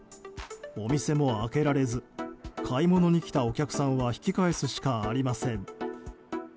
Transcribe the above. お店も開けられず買い物に来たお客さんは引き返すしかありません。